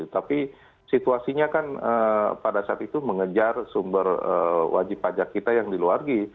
tapi situasinya kan pada saat itu mengejar sumber wajib pajak kita yang diluargi